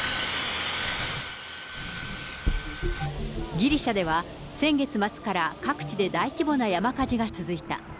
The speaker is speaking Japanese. ギリシャでは先月末から、各地で大規模な山火事が続いた。